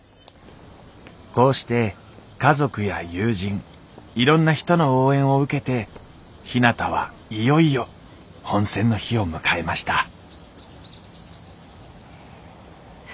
こうして家族や友人いろんな人の応援を受けてひなたはいよいよ本選の日を迎えました